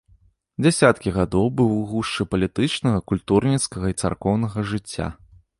Дзясяткі гадоў быў у гушчы палітычнага, культурніцкага і царкоўнага жыцця.